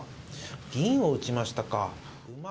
銀を打ちましたか。